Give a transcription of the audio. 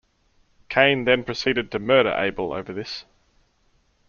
Cain then proceeded to murder Abel over this.